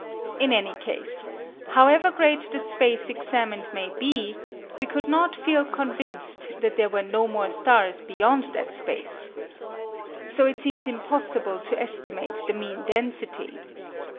In any case, however great the space examined may be, we could not feel convinced that there were no more stars beyond that space. So it seems impossible to estimate the mean density.